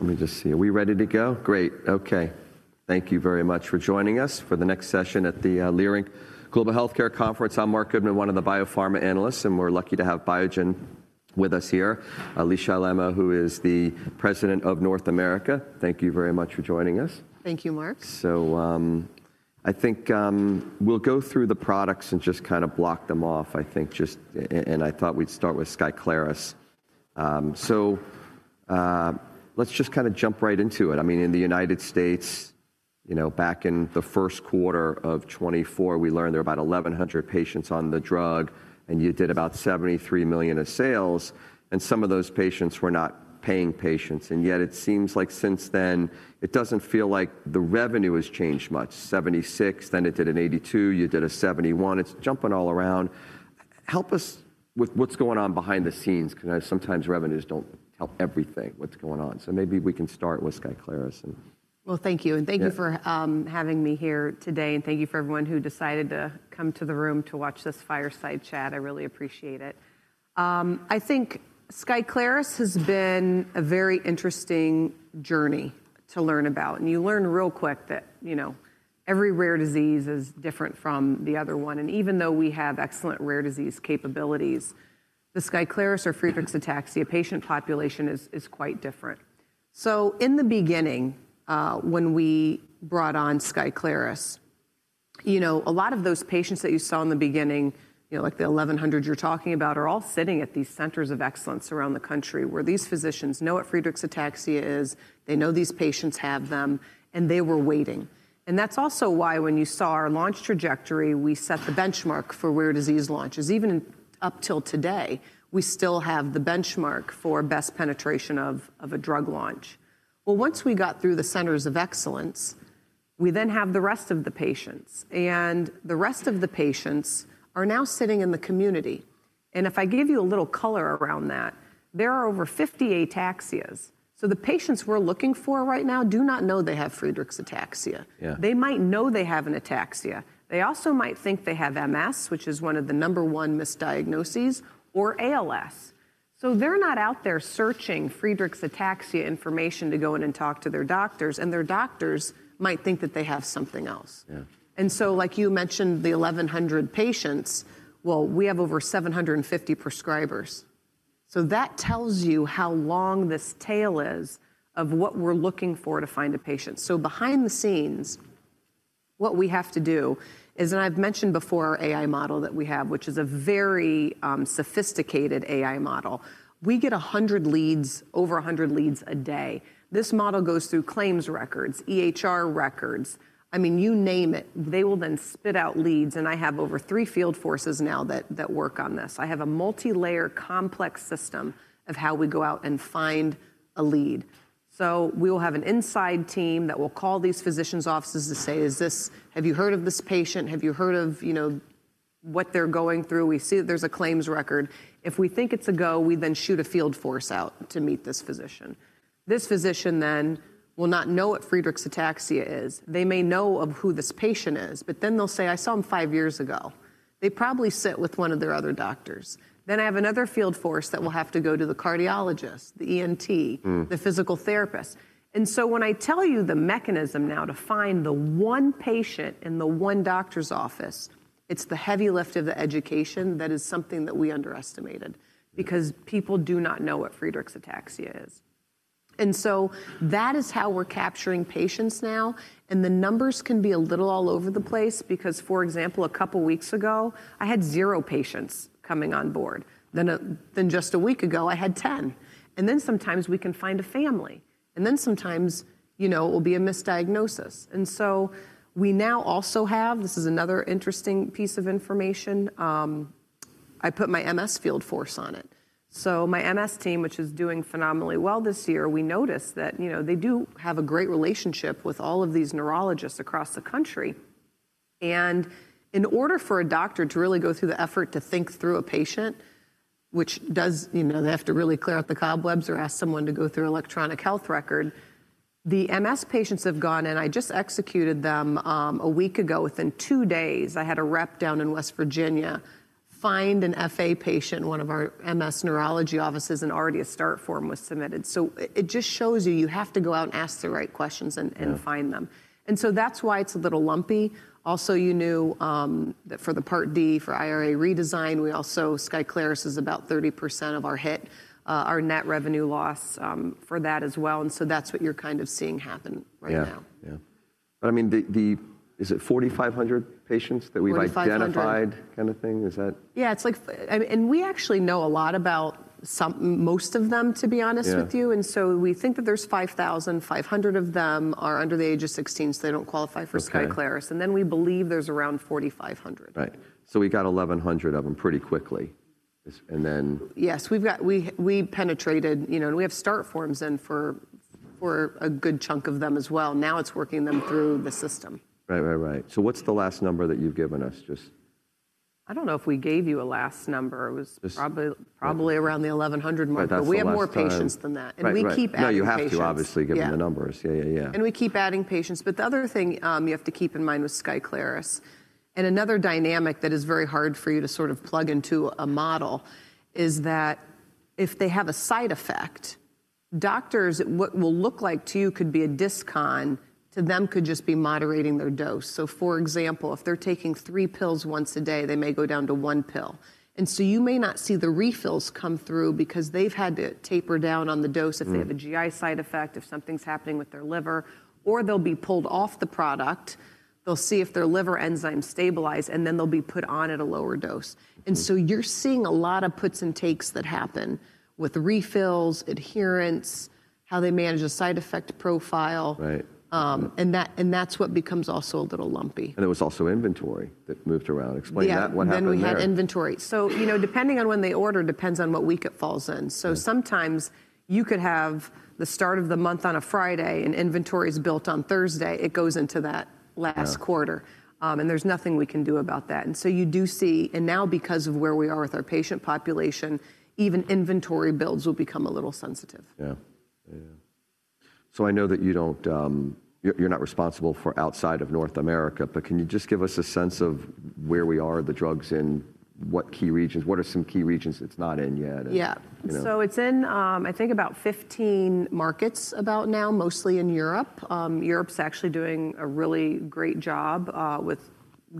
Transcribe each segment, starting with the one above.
Let me just see. Are we ready to go? Great. Okay. Thank you very much for joining us for the next session at the Leerink Global Healthcare Conference. I'm Marc Goodman, one of the biopharma analysts, and we're lucky to have Biogen with us here. Alisha Alaimo, who is the President of North America. Thank you very much for joining us. Thank you, Marc. I think we'll go through the products and just kind of block them off, I think. I thought we'd start with Skyclarys. Let's just kind of jump right into it. I mean, in the United States, you know, back in the first quarter of 2024, we learned there were about 1,100 patients on the drug, and you did about $73 million of sales. Some of those patients were not paying patients. Yet it seems like since then, it doesn't feel like the revenue has changed much. $76, then it did an $82, you did a $71. It's jumping all around. Help us with what's going on behind the scenes, because sometimes revenues don't tell everything what's going on. Maybe we can start with Skyclarys. Thank you. Thank you for having me here today. Thank you for everyone who decided to come to the room to watch this fireside chat. I really appreciate it. I think Skyclarys has been a very interesting journey to learn about. You learn real quick that, you know, every rare disease is different from the other one. Even though we have excellent rare disease capabilities, the Skyclarys or Friedreich's ataxia patient population is quite different. In the beginning, when we brought on Skyclarys, you know, a lot of those patients that you saw in the beginning, you know, like the 1,100 you're talking about, are all sitting at these centers of excellence around the country where these physicians know what Friedreich's ataxia is. They know these patients have them, and they were waiting. That is also why when you saw our launch trajectory, we set the benchmark for rare disease launches. Even up till today, we still have the benchmark for best penetration of a drug launch. Once we got through the centers of excellence, we then have the rest of the patients. The rest of the patients are now sitting in the community. If I give you a little color around that, there are over 50 ataxias. The patients we are looking for right now do not know they have Friedreich's ataxia. They might know they have an ataxia. They also might think they have MS, which is one of the number one misdiagnoses, or ALS. They are not out there searching Friedreich's ataxia information to go in and talk to their doctors. Their doctors might think that they have something else. Like you mentioned, the 1,100 patients, we have over 750 prescribers. That tells you how long this tail is of what we're looking for to find a patient. Behind the scenes, what we have to do is, and I've mentioned before our AI model that we have, which is a very sophisticated AI model. We get 100 leads, over 100 leads a day. This model goes through claims records, EHR records. I mean, you name it, they will then spit out leads. I have over three field forces now that work on this. I have a multi-layer complex system of how we go out and find a lead. We will have an inside team that will call these physicians' offices to say, "Have you heard of this patient? Have you heard of what they're going through? We see that there's a claims record. If we think it's a go, we then shoot a field force out to meet this physician. This physician then will not know what Friedreich's ataxia is. They may know of who this patient is, but then they'll say, "I saw him five years ago." They probably sit with one of their other doctors. I have another field force that will have to go to the cardiologist, the ENT, the physical therapist. When I tell you the mechanism now to find the one patient in the one doctor's office, it's the heavy lift of the education that is something that we underestimated, because people do not know what Friedreich's ataxia is. That is how we're capturing patients now. The numbers can be a little all over the place, because, for example, a couple of weeks ago, I had zero patients coming on board. Just a week ago, I had 10. Sometimes we can find a family. Sometimes, you know, it will be a misdiagnosis. We now also have, this is another interesting piece of information. I put my MS field force on it. My MS team, which is doing phenomenally well this year, we noticed that, you know, they do have a great relationship with all of these neurologists across the country. In order for a doctor to really go through the effort to think through a patient, which does, you know, they have to really clear out the cobwebs or ask someone to go through an electronic health record, the MS patients have gone, and I just executed them a week ago. Within two days, I had a rep down in West Virginia find an FA patient, one of our MS neurology offices, and already a start form was submitted. It just shows you you have to go out and ask the right questions and find them. That is why it is a little lumpy. Also, you knew that for the part D for IRA redesign, we also, Skyclarys is about 30% of our hit, our net revenue loss for that as well. That is what you are kind of seeing happen right now. Yeah. Yeah. I mean, is it 4,500 patients that we've identified kind of thing? Is that? Yeah. It's like, and we actually know a lot about most of them, to be honest with you. And so we think that there's 5,500 of them are under the age of 16, so they don't qualify for Skyclarys. And then we believe there's around 4,500. Right. We got 1,100 of them pretty quickly. And then. Yes. We've got, we penetrated, you know, and we have start forms in for a good chunk of them as well. Now it's working them through the system. Right, right, right. What's the last number that you've given us just? I don't know if we gave you a last number. It was probably around the 1,100 mark. We have more patients than that. We keep adding. No, you have to obviously give them the numbers. Yeah, yeah, yeah. We keep adding patients. The other thing you have to keep in mind with Skyclarys, and another dynamic that is very hard for you to sort of plug into a model, is that if they have a side effect, doctors, what will look like to you could be a discon, to them could just be moderating their dose. For example, if they're taking three pills once a day, they may go down to one pill. You may not see the refills come through because they've had to taper down on the dose if they have a GI side effect, if something's happening with their liver, or they'll be pulled off the product. They'll see if their liver enzymes stabilize, and then they'll be put on at a lower dose. You're seeing a lot of puts and takes that happen with refills, adherence, how they manage a side effect profile. That's what becomes also a little lumpy. There was also inventory that moved around. Explain that. What happened there? Yeah. We had inventory. You know, depending on when they order, it depends on what week it falls in. Sometimes you could have the start of the month on a Friday, and inventory is built on Thursday. It goes into that last quarter. There is nothing we can do about that. You do see, and now because of where we are with our patient population, even inventory builds will become a little sensitive. Yeah. Yeah. I know that you don't, you're not responsible for outside of North America, but can you just give us a sense of where we are the drugs in, what key regions, what are some key regions it's not in yet? Yeah. So it's in, I think, about 15 markets about now, mostly in Europe. Europe's actually doing a really great job with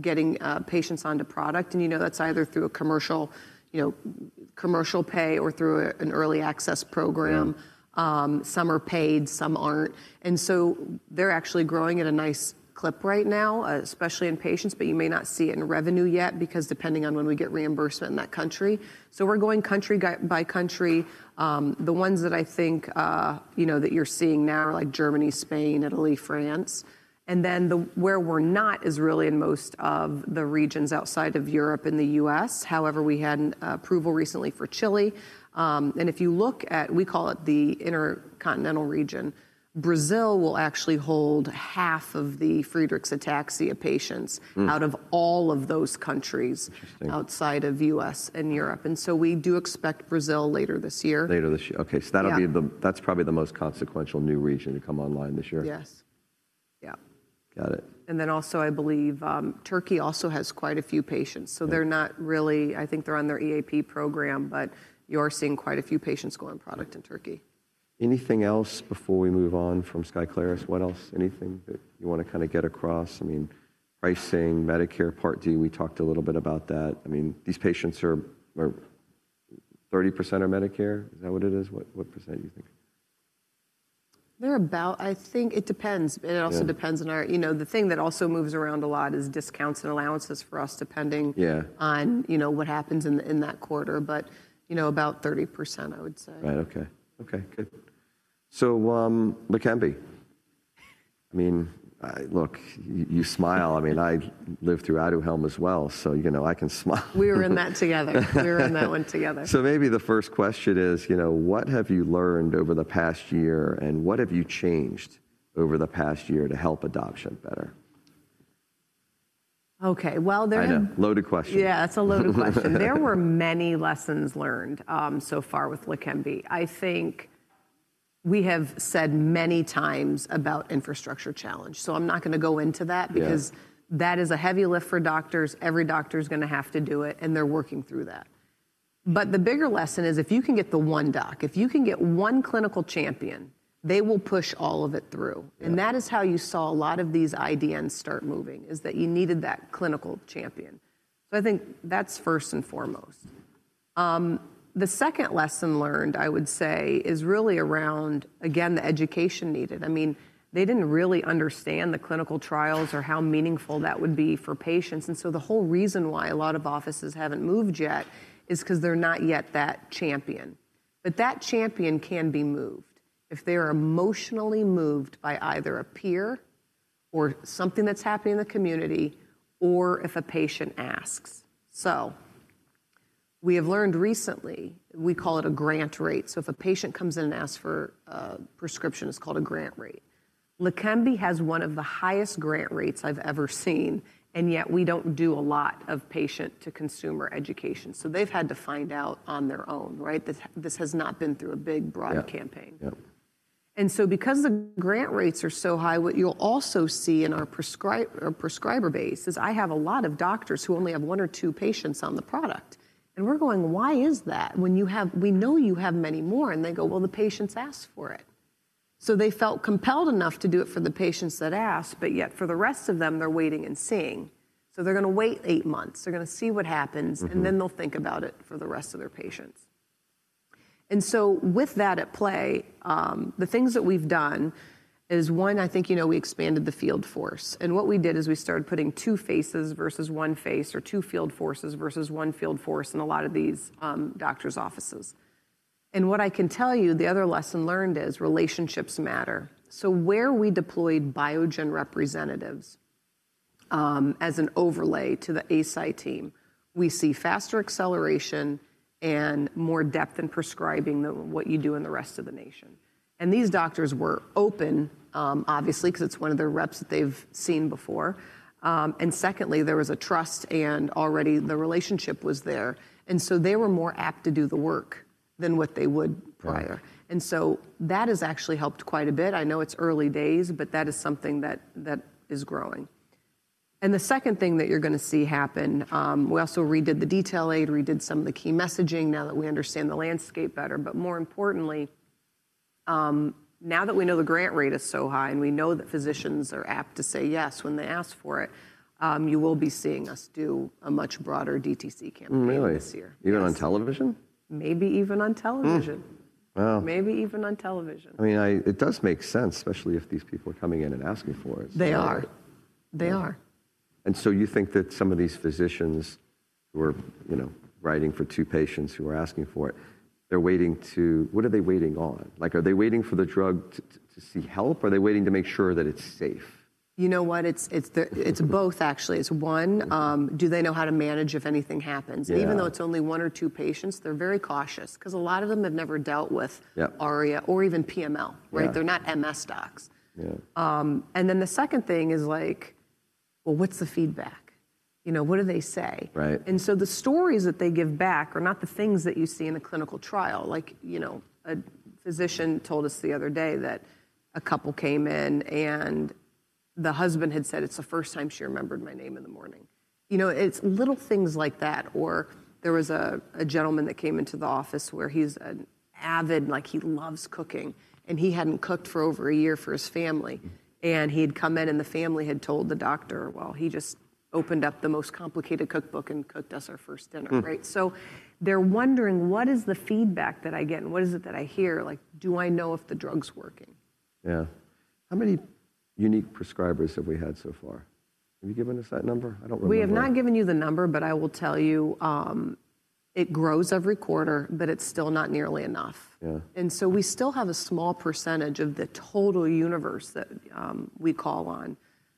getting patients onto product. And you know, that's either through a commercial, you know, commercial pay or through an early access program. Some are paid, some aren't. And so they're actually growing at a nice clip right now, especially in patients, but you may not see it in revenue yet because depending on when we get reimbursement in that country. So we're going country by country. The ones that I think, you know, that you're seeing now are like Germany, Spain, Italy, France. And then where we're not is really in most of the regions outside of Europe and the U.S. However, we had approval recently for Chile. If you look at, we call it the Intercontinental Region, Brazil will actually hold half of the Friedreich's ataxia patients out of all of those countries outside of the U.S. and Europe. We do expect Brazil later this year. Later this year. Okay. That'll be the, that's probably the most consequential new region to come online this year. Yes. Yeah. Got it. I believe Turkey also has quite a few patients. They are not really, I think they are on their EAP program, but you are seeing quite a few patients go on product in Turkey. Anything else before we move on from Skyclarys? What else? Anything that you want to kind of get across? I mean, pricing, Medicare, Part D, we talked a little bit about that. I mean, these patients are 30% are Medicare. Is that what it is? What percent do you think? They're about, I think it depends. It also depends on our, you know, the thing that also moves around a lot is discounts and allowances for us depending on, you know, what happens in that quarter. You know, about 30%, I would say. Right. Okay. Okay. Good. So Leqembi, I mean, look, you smile. I mean, I live throughAduhelm as well. So, you know, I can smile. We were in that together. We were in that one together. Maybe the first question is, you know, what have you learned over the past year and what have you changed over the past year to help adoption better? Okay. There. I know. Loaded question. Yeah. That's a loaded question. There were many lessons learned so far with Leqembi. I think we have said many times about infrastructure challenge. I am not going to go into that because that is a heavy lift for doctors. Every doctor is going to have to do it, and they're working through that. The bigger lesson is if you can get the one doc, if you can get one clinical champion, they will push all of it through. That is how you saw a lot of these IDNs start moving, is that you needed that clinical champion. I think that's first and foremost. The second lesson learned, I would say, is really around, again, the education needed. I mean, they did not really understand the clinical trials or how meaningful that would be for patients. The whole reason why a lot of offices haven't moved yet is because they're not yet that champion. That champion can be moved if they are emotionally moved by either a peer or something that's happening in the community or if a patient asks. We have learned recently, we call it a grant rate. If a patient comes in and asks for a prescription, it's called a grant rate. Leqembi has one of the highest grant rates I've ever seen, and yet we don't do a lot of patient-to-consumer education. They've had to find out on their own, right? This has not been through a big broad campaign. Because the grant rates are so high, what you'll also see in our prescriber base is I have a lot of doctors who only have one or two patients on the product. We're going, why is that when you have, we know you have many more? They go, well, the patients asked for it. They felt compelled enough to do it for the patients that asked, but yet for the rest of them, they're waiting and seeing. They're going to wait eight months. They're going to see what happens, and then they'll think about it for the rest of their patients. With that at play, the things that we've done is, one, I think, you know, we expanded the field force. What we did is we started putting two faces versus one face or two field forces versus one field force in a lot of these doctors' offices. What I can tell you, the other lesson learned is relationships matter. Where we deployed Biogen representatives as an overlay to the Eisai team, we see faster acceleration and more depth in prescribing than what you do in the rest of the nation. These doctors were open, obviously, because it is one of their reps that they have seen before. Secondly, there was a trust and already the relationship was there. They were more apt to do the work than what they would prior. That has actually helped quite a bit. I know it is early days, but that is something that is growing. The second thing that you are going to see happen, we also redid the detail aid, redid some of the key messaging now that we understand the landscape better. More importantly, now that we know the grant rate is so high and we know that physicians are apt to say yes when they ask for it, you will be seeing us do a much broader DTC campaign this year. Really? Even on television? Maybe even on television. I mean, it does make sense, especially if these people are coming in and asking for it. They are. They are. Do you think that some of these physicians who are, you know, writing for two patients who are asking for it, they're waiting to, what are they waiting on? Like, are they waiting for the drug to see help? Are they waiting to make sure that it's safe? You know what? It's both, actually. It's one, do they know how to manage if anything happens? Even though it's only one or two patients, they're very cautious because a lot of them have never dealt with ARIA or even PML, right? They're not MS docs. The second thing is like, what's the feedback? You know, what do they say? The stories that they give back are not the things that you see in a clinical trial. Like, you know, a physician told us the other day that a couple came in and the husband had said, it's the first time she remembered my name in the morning. You know, it's little things like that. Or there was a gentleman that came into the office where he's an avid, like he loves cooking, and he hadn't cooked for over a year for his family. He had come in and the family had told the doctor, well, he just opened up the most complicated cookbook and cooked us our first dinner, right? They are wondering, what is the feedback that I get and what is it that I hear? Like, do I know if the drug's working? Yeah. How many unique prescribers have we had so far? Have you given us that number? I don't remember. We have not given you the number, but I will tell you it grows every quarter, but it is still not nearly enough. We still have a small percentage of the total universe that we call on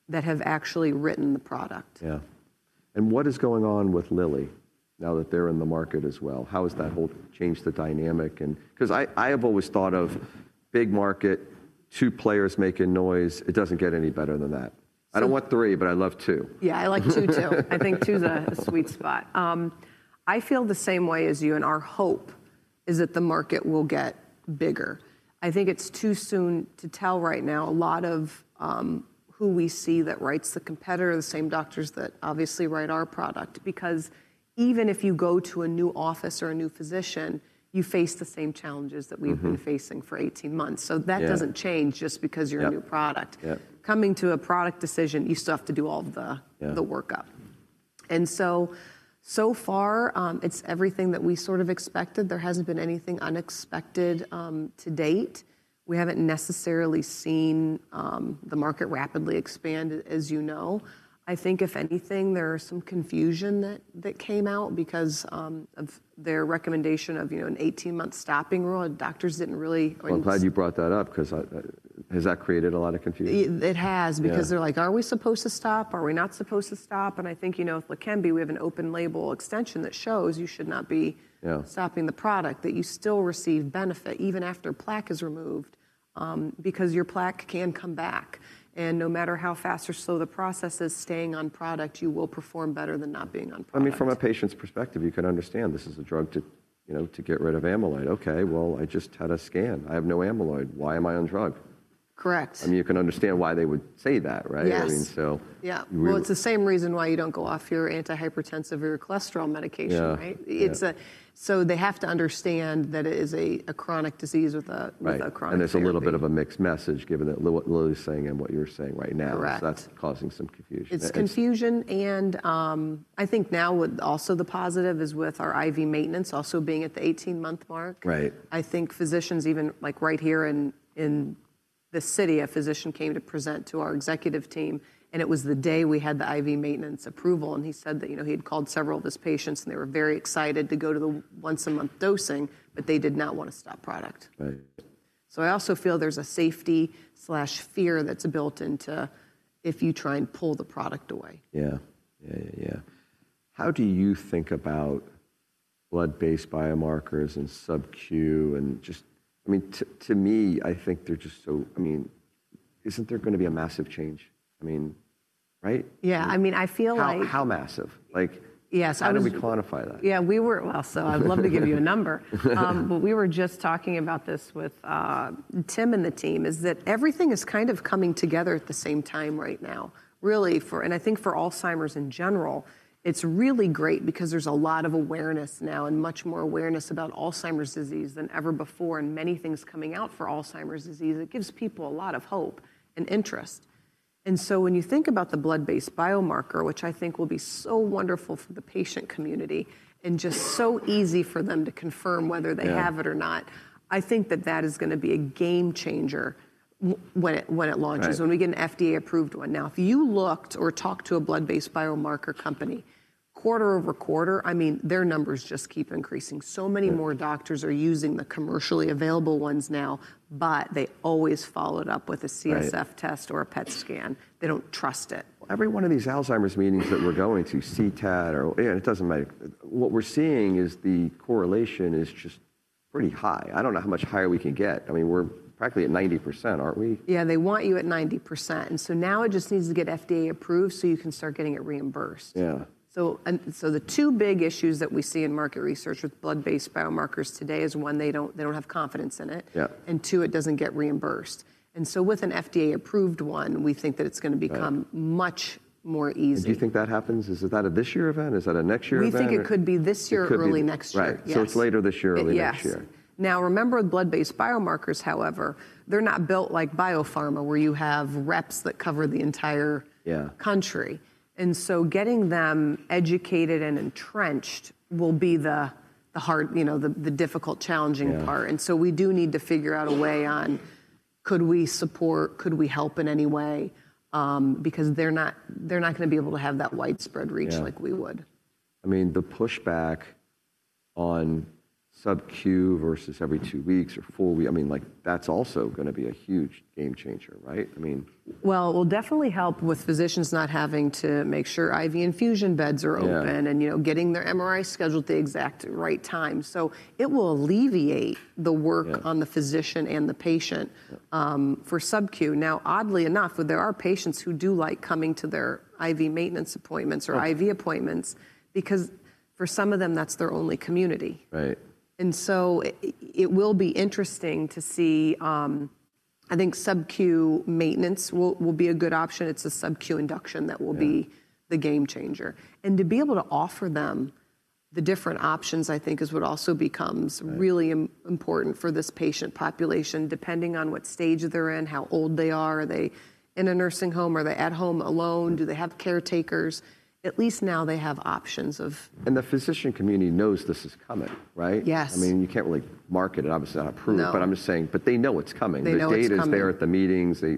that have actually written the product. Yeah. What is going on with Lilly now that they're in the market as well? How has that whole changed the dynamic? I have always thought of big market, two players making noise, it doesn't get any better than that. I don't want three, but I love two. Yeah. I like two too. I think two's a sweet spot. I feel the same way as you. Our hope is that the market will get bigger. I think it's too soon to tell right now. A lot of who we see that writes the competitor, the same doctors that obviously write our product, because even if you go to a new office or a new physician, you face the same challenges that we've been facing for 18 months. That does not change just because you're a new product. Coming to a product decision, you still have to do all of the workup. So far, it's everything that we sort of expected. There has not been anything unexpected to date. We have not necessarily seen the market rapidly expand, you know. I think if anything, there is some confusion that came out because of their recommendation of, you know, an 18-month stopping rule. Doctors didn't really. I'm glad you brought that up because has that created a lot of confusion? It has because they're like, are we supposed to stop? Are we not supposed to stop? I think, you know, with Leqembi, we have an open label extension that shows you should not be stopping the product, that you still receive benefit even after plaque is removed because your plaque can come back. No matter how fast or slow the process is, staying on product, you will perform better than not being on product. I mean, from a patient's perspective, you can understand this is a drug to, you know, to get rid of amyloid. Okay. I just had a scan. I have no amyloid. Why am I on drug? Correct. I mean, you can understand why they would say that, right? I mean, so. Yeah. Yeah. It's the same reason why you don't go off your antihypertensive or your cholesterol medication, right? They have to understand that it is a chronic disease with a chronic condition. It's a little bit of a mixed message given that Lilly's saying and what you're saying right now. That is causing some confusion. It's confusion. I think now with also the positive is with our IV maintenance also being at the 18-month mark. I think physicians even, like right here in the city, a physician came to present to our executive team, and it was the day we had the IV maintenance approval. He said that, you know, he had called several of his patients and they were very excited to go to the once-a-month dosing, but they did not want to stop product. I also feel there's a safety/fear that's built into if you try and pull the product away. Yeah. Yeah. Yeah. How do you think about blood-based biomarkers and subQ and just, I mean, to me, I think they're just so, I mean, isn't there going to be a massive change? I mean, right? Yeah. I mean, I feel like. How massive? Like, how do we quantify that? Yeah. We were, so I'd love to give you a number. We were just talking about this with Tim and the team is that everything is kind of coming together at the same time right now, really for, and I think for Alzheimer's in general, it's really great because there's a lot of awareness now and much more awareness about Alzheimer's disease than ever before. Many things coming out for Alzheimer's disease, it gives people a lot of hope and interest. When you think about the blood-based biomarker, which I think will be so wonderful for the patient community and just so easy for them to confirm whether they have it or not, I think that that is going to be a game changer when it launches, when we get an FDA-approved one. Now, if you looked or talked to a blood-based biomarker company, quarter over quarter, I mean, their numbers just keep increasing. So many more doctors are using the commercially available ones now, but they always followed up with a CSF test or a PET scan. They do not trust it. Every one of these Alzheimer's meetings that we're going to, CTAD or, and it doesn't matter, what we're seeing is the correlation is just pretty high. I don't know how much higher we can get. I mean, we're practically at 90%, aren't we? Yeah. They want you at 90%. It just needs to get FDA approved so you can start getting it reimbursed. The two big issues that we see in market research with blood-based biomarkers today is, one, they do not have confidence in it, and two, it does not get reimbursed. With an FDA-approved one, we think that it is going to become much more easy. Do you think that happens? Is that a this year event? Is that a next year event? We think it could be this year, early next year. Right. So it's later this year, early next year. Yes. Now, remember, blood-based biomarkers, however, they're not built like biopharma where you have reps that cover the entire country. Getting them educated and entrenched will be the hard, you know, the difficult, challenging part. We do need to figure out a way on could we support, could we help in any way? Because they're not going to be able to have that widespread reach like we would. I mean, the pushback on subQ versus every two weeks or four weeks, I mean, like that's also going to be a huge game changer, right? I mean. It will definitely help with physicians not having to make sure IV infusion beds are open and, you know, getting their MRI scheduled at the exact right time. It will alleviate the work on the physician and the patient for subQ. Now, oddly enough, there are patients who do like coming to their IV maintenance appointments or IV appointments because for some of them, that's their only community. It will be interesting to see, I think subQ maintenance will be a good option. It's a subQ induction that will be the game changer. To be able to offer them the different options, I think, is what also becomes really important for this patient population, depending on what stage they're in, how old they are. Are they in a nursing home? Are they at home alone? Do they have caretakers? At least now they have options. The physician community knows this is coming, right? Yes. I mean, you can't really market it. Obviously, not approved, but I'm just saying, but they know it's coming. The data is there at the meetings. They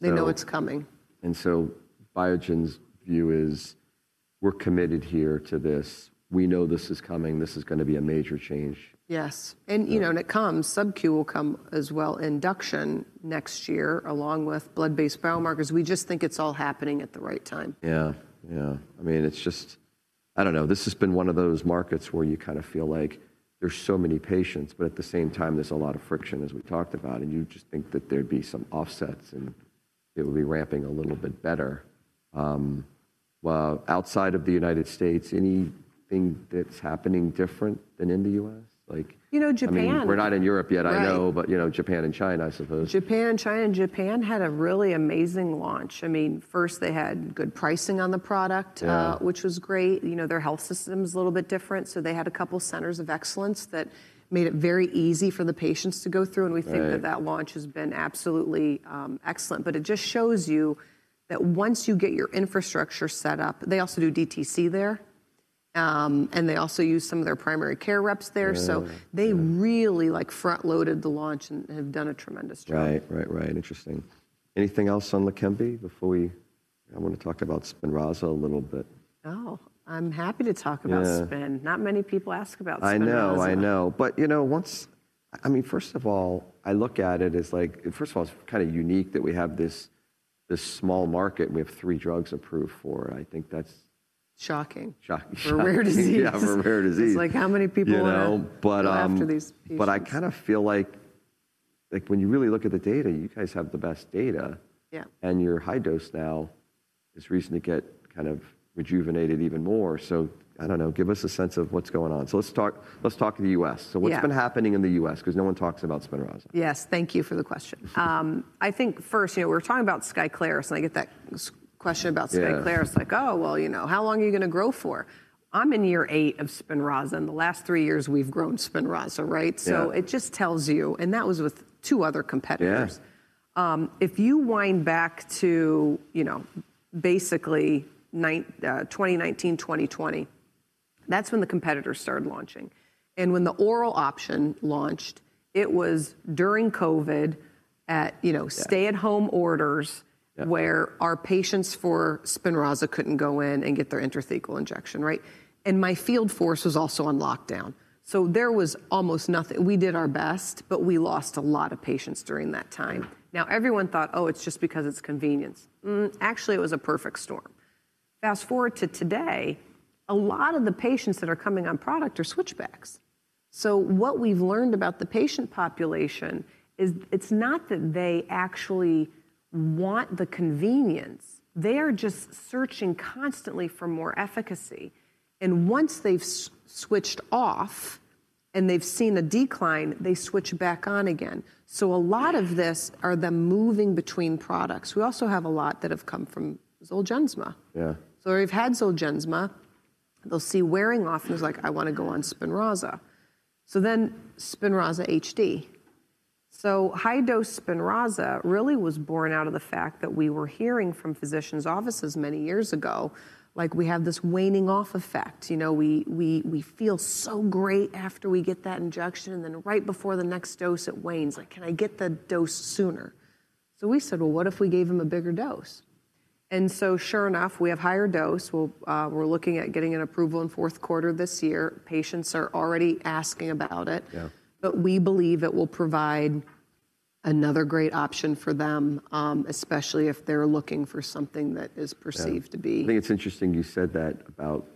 know it's coming. Biogen's view is we're committed here to this. We know this is coming. This is going to be a major change. Yes. You know, it comes, subQ will come as well, induction next year along with blood-based biomarkers. We just think it's all happening at the right time. Yeah. Yeah. I mean, it's just, I don't know, this has been one of those markets where you kind of feel like there's so many patients, but at the same time, there's a lot of friction, as we talked about, and you just think that there'd be some offsets and it would be ramping a little bit better. Outside of the U.S., anything that's happening different than in the U.S.? Like. You know, Japan. We're not in Europe yet, I know, but you know, Japan and China, I suppose. Japan, China and Japan had a really amazing launch. I mean, first they had good pricing on the product, which was great. You know, their health system is a little bit different. They had a couple of centers of excellence that made it very easy for the patients to go through. We think that that launch has been absolutely excellent. It just shows you that once you get your infrastructure set up, they also do DTC there. They also use some of their primary care reps there. They really like front-loaded the launch and have done a tremendous job. Right. Right. Right. Interesting. Anything else on Leqembi before we I want to talk about Spinraza a little bit. Oh, I'm happy to talk about Spin. Not many people ask about Spin. I know. I know. But you know, once, I mean, first of all, I look at it as like, first of all, it's kind of unique that we have this small market. We have three drugs approved for it. I think that's. Shocking. Shocking. For rare disease. Yeah. For rare disease. It's like how many people are after these pieces? I kind of feel like, like when you really look at the data, you guys have the best data. And your high dose now is reason to get kind of rejuvenated even more. I don't know, give us a sense of what's going on. Let's talk to the U.S. What's been happening in the U.S.? Because no one talks about Spinraza. Yes. Thank you for the question. I think first, you know, we were talking about Skyclarys. And I get that question about Skyclarys. Like, oh, you know, how long are you going to grow for? I'm in year eight of Spinraza. And the last three years we've grown Spinraza, right? So it just tells you, and that was with two other competitors. If you wind back to, you know, basically 2019, 2020, that's when the competitors started launching. And when the oral option launched, it was during COVID at, you know, stay-at-home orders where our patients for Spinraza couldn't go in and get their intrathecal injection, right? And my field force was also on lockdown. So there was almost nothing. We did our best, but we lost a lot of patients during that time. Now, everyone thought, oh, it's just because it's convenience. Actually, it was a perfect storm. Fast forward to today, a lot of the patients that are coming on product are switchbacks. What we've learned about the patient population is it's not that they actually want the convenience. They are just searching constantly for more efficacy. Once they've switched off and they've seen a decline, they switch back on again. A lot of this are the moving between products. We also have a lot that have come from Zolgensma. They've had Zolgensma. They'll see wearing off and it's like, I want to go on Spinraza. Spinraza HD. High-dose Spinraza really was born out of the fact that we were hearing from physicians' offices many years ago, like we have this waning off effect. You know, we feel so great after we get that injection. Right before the next dose, it wanes. Like, can I get the dose sooner? We said, well, what if we gave them a bigger dose? Sure enough, we have higher dose. We're looking at getting an approval in fourth quarter this year. Patients are already asking about it. We believe it will provide another great option for them, especially if they're looking for something that is perceived to be. I think it's interesting you said that about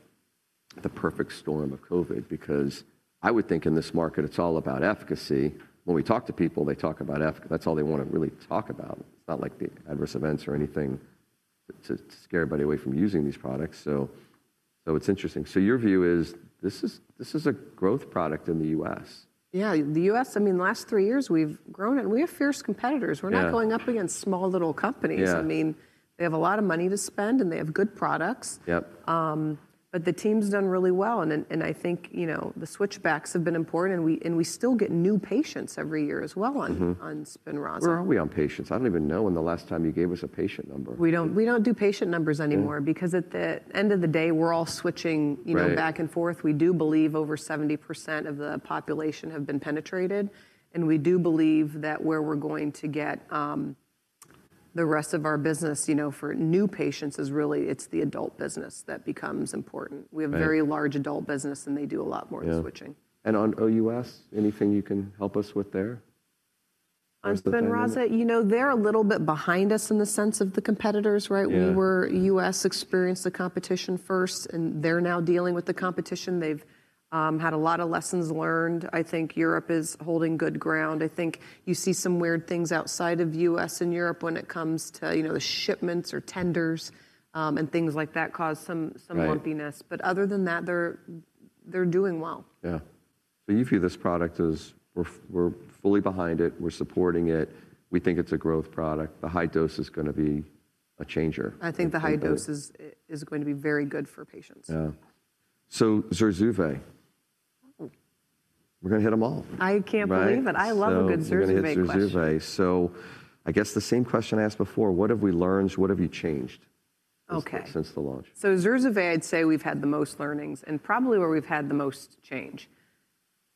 the perfect storm of COVID because I would think in this market, it's all about efficacy. When we talk to people, they talk about efficacy. That's all they want to really talk about. It's not like the adverse events or anything to scare everybody away from using these products. It's interesting. Your view is this is a growth product in the U.S. Yeah. The U.S., I mean, the last three years we've grown and we have fierce competitors. We're not going up against small little companies. I mean, they have a lot of money to spend and they have good products. The team's done really well. I think, you know, the switchbacks have been important. We still get new patients every year as well on Spinraza. Where are we on patients? I don't even know when the last time you gave us a patient number. We do not do patient numbers anymore because at the end of the day, we are all switching, you know, back and forth. We do believe over 70% of the population have been penetrated. We do believe that where we are going to get the rest of our business, you know, for new patients is really, it is the adult business that becomes important. We have a very large adult business and they do a lot more switching. On U.S., anything you can help us with there? On Spinraza, you know, they're a little bit behind us in the sense of the competitors, right? We were U.S. experienced the competition first and they're now dealing with the competition. They've had a lot of lessons learned. I think Europe is holding good ground. I think you see some weird things outside of U.S. and Europe when it comes to, you know, the shipments or tenders and things like that cause some lumpiness. Other than that, they're doing well. Yeah. You view this product as we're fully behind it. We're supporting it. We think it's a growth product. The high dose is going to be a changer. I think the high dose is going to be very good for patients. Yeah. So Zurzuvae. We're going to hit them all. I can't believe it. I love a good Zurzuvae. I guess the same question I asked before. What have we learned? What have you changed since the launch? Okay. Zurzuvae, I'd say we've had the most learnings and probably where we've had the most change.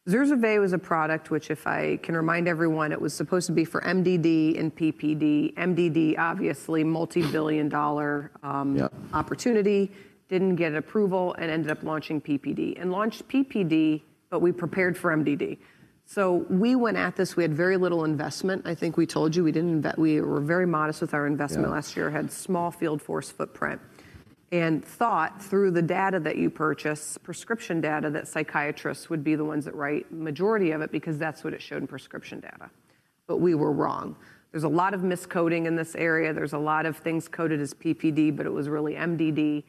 Zurzuvae was a product which, if I can remind everyone, it was supposed to be for MDD and PPD. MDD, obviously, multi-billion dollar opportunity, didn't get approval and ended up launching PPD. Launched PPD, but we prepared for MDD. We went at this. We had very little investment. I think we told you we didn't invest. We were very modest with our investment last year, had small field force footprint and thought through the data that you purchase, prescription data that psychiatrists would be the ones that write majority of it because that's what it showed in prescription data. We were wrong. There's a lot of miscoding in this area. There's a lot of things coded as PPD, but it was really MDD.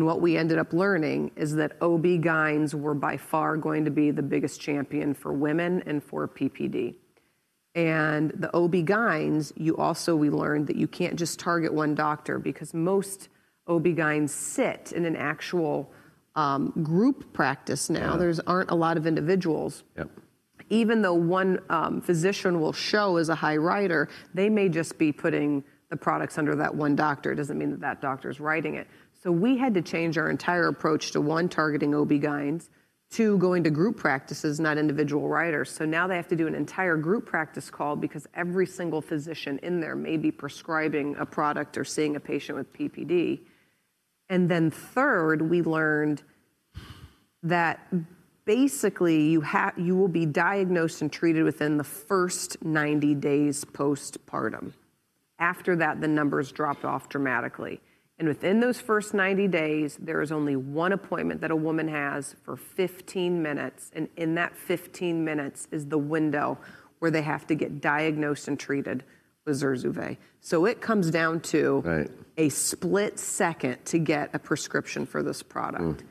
What we ended up learning is that OB-GYNs were by far going to be the biggest champion for women and for PPD. The OB-GYNs, you also, we learned that you can't just target one doctor because most OB-GYNs sit in an actual group practice now. There aren't a lot of individuals. Even though one physician will show as a high writer, they may just be putting the products under that one doctor. It doesn't mean that that doctor's writing it. We had to change our entire approach to one, targeting OB-GYNs, two, going to group practices, not individual writers. Now they have to do an entire group practice call because every single physician in there may be prescribing a product or seeing a patient with PPD. Third, we learned that basically you will be diagnosed and treated within the first 90 days postpartum. After that, the numbers dropped off dramatically. Within those first 90 days, there is only one appointment that a woman has for 15 minutes. In that 15 minutes is the window where they have to get diagnosed and treated with Zurzuvae. It comes down to a split second to get a prescription for this product.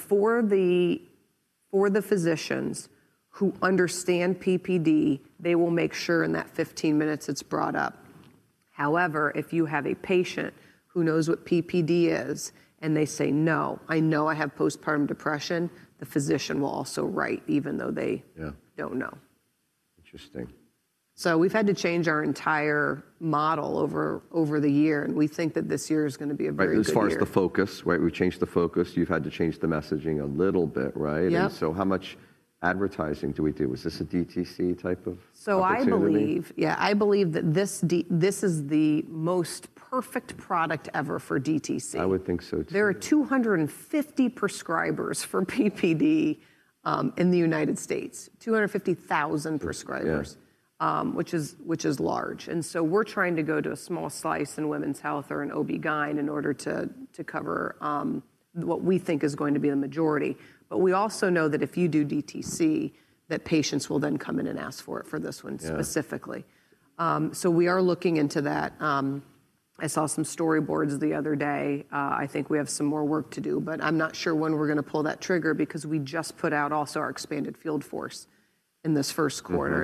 For the physicians who understand PPD, they will make sure in that 15 minutes it's brought up. However, if you have a patient who knows what PPD is and they say, no, I know I have postpartum depression, the physician will also write even though they don't know. Interesting. We have had to change our entire model over the year. We think that this year is going to be a very different year. Right. As far as the focus, right? We've changed the focus. You've had to change the messaging a little bit, right? How much advertising do we do? Is this a DTC type of advertising? I believe, yeah, I believe that this is the most perfect product ever for DTC. I would think so too. There are 250 prescribers for PPD in the United States, 250,000 prescribers, which is large. We are trying to go to a small slice in women's health or an OB-GYN in order to cover what we think is going to be the majority. We also know that if you do DTC, that patients will then come in and ask for it for this one specifically. We are looking into that. I saw some storyboards the other day. I think we have some more work to do, but I'm not sure when we're going to pull that trigger because we just put out also our expanded field force in this first quarter.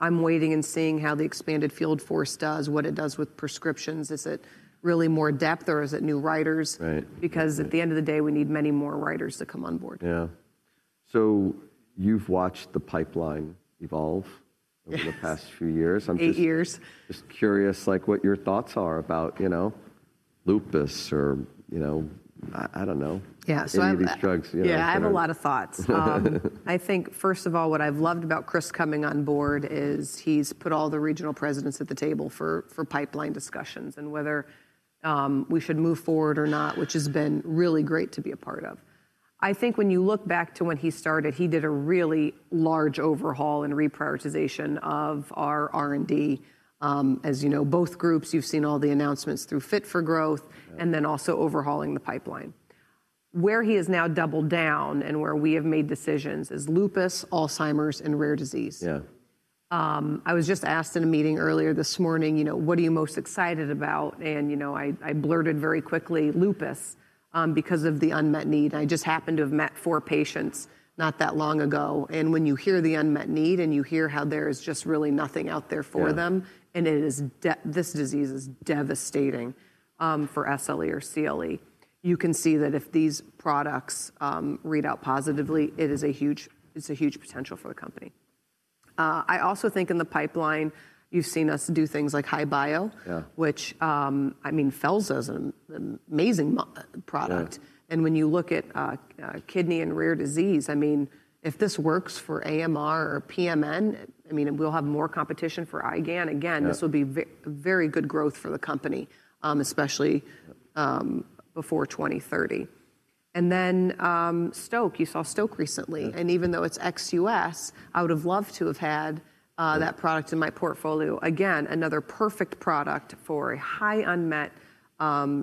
I am waiting and seeing how the expanded field force does, what it does with prescriptions. Is it really more depth or is it new writers? Because at the end of the day, we need many more writers to come on board. Yeah. So you've watched the pipeline evolve over the past few years. Eight years. I'm just curious like what your thoughts are about, you know, lupus or, you know, I don't know. Yeah. Any of these drugs. Yeah. I have a lot of thoughts. I think first of all, what I've loved about Chris coming on board is he's put all the regional presidents at the table for pipeline discussions and whether we should move forward or not, which has been really great to be a part of. I think when you look back to when he started, he did a really large overhaul and reprioritization of our R&D. As you know, both groups, you've seen all the announcements through Fit for Growth and then also overhauling the pipeline. Where he has now doubled down and where we have made decisions is lupus, Alzheimer's, and rare disease. Yeah. I was just asked in a meeting earlier this morning, you know, what are you most excited about? You know, I blurted very quickly lupus because of the unmet need. I just happened to have met four patients not that long ago. When you hear the unmet need and you hear how there is just really nothing out there for them, and this disease is devastating for SLE or CLE, you can see that if these products read out positively, it is a huge potential for the company. I also think in the pipeline, you've seen us do things like HI-Bio, which I mean, Felzartamab is an amazing product. When you look at kidney and rare disease, I mean, if this works for AMR or PMN, I mean, we'll have more competition for IgAN. This will be very good growth for the company, especially before 2030. You saw Stoke recently. Even though it is ex-U.S., I would have loved to have had that product in my portfolio. Another perfect product for a high unmet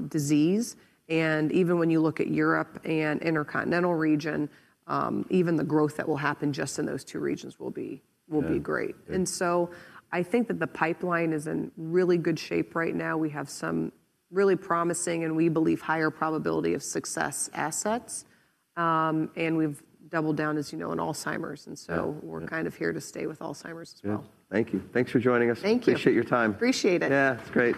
disease. When you look at Europe and intercontinental region, the growth that will happen just in those two regions will be great. I think that the pipeline is in really good shape right now. We have some really promising and, we believe, higher probability of success assets. We have doubled down, as you know, in Alzheimer's. We are kind of here to stay with Alzheimer's as well. Thank you. Thanks for joining us. Thank you. Appreciate your time. Appreciate it. Yeah. It's great.